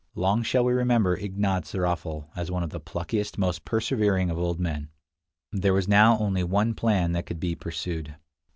Long shall we remember Ignaz Raffl as one of the pluckiest, most persevering of old men. There was now only one plan that could be pursued.